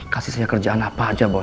kasih saya kerjaan apa aja bos